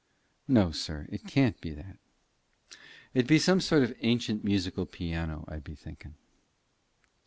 "No, sir; it can't be that. It be some sort of ancient musical piano, I be thinking."